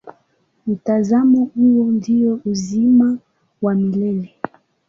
Mtazamo huo ndio uzima wa milele.